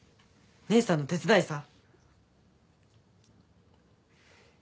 姉さんの手伝いさ。